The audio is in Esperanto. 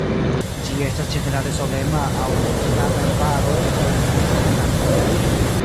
Ĝi estas ĝenerale solema aŭ vidata en paroj kaj ne estas migranta.